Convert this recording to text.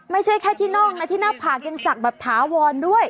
ไม่ใช่แค่ที่น่องนะที่หน้าผากยังศักดิ์แบบถาวรด้วย